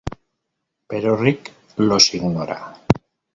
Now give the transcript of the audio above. Pero Ricky los ignora.